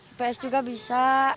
ips juga bisa